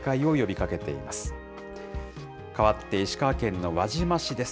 かわって石川県の輪島市です。